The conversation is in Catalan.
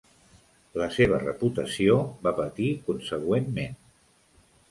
La seva reputació va patir consegüentment.